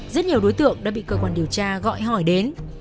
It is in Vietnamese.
rất nhiều đối tượng đã bị cơ quan điều tra gọi hỏi đến